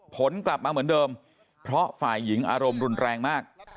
ผลกลับมาเหมือนเดิมเพราะฝ่ายหญิงอารมณ์รุนแรงมาก